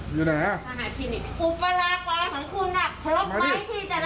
ไม่จำเป็นเพราะตอนนี้เป็นโรงพยาบาลนายน